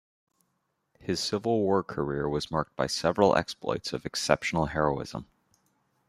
His Civil War career was marked by several exploits of exceptional heroism.